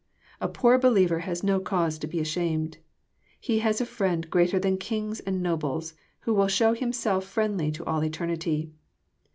A poor believer has no cause to be ashamed. He has a Friend greater than kings and nobles, who will show Him self friendly to all eternity.